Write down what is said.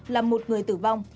làm một người tử vong